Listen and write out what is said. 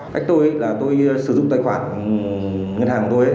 cách tôi là tôi sử dụng tài khoản ngân hàng của tôi